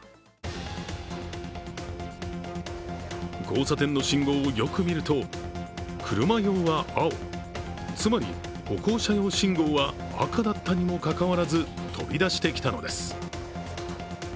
交差点の信号をよく見ると車用は青、つまり歩行者用信号は赤だったにもかかわらず飛び出してきたのです。